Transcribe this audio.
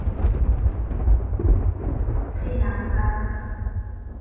bahati na mkasa.